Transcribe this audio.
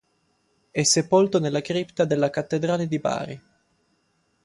È sepolto nella cripta della Cattedrale di Bari.